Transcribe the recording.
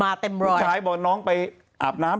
ผู้หญิงก็สิ่งที่พี่ชายบอกน้องอาบน้ำ